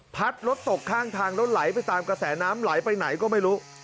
พัดรถตกข้างทางแล้วไหลไปตามกระแสน้ำไหลไปไหนก็ไม่รู้